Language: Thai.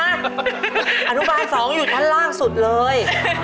อนุบาล๒อยู่ชั้นล่างสุดเลย